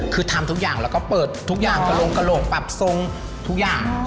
คือทำทุกอย่างแล้วก็เปิดทุกอย่างกระลงกระโหลกปรับทรงทุกอย่าง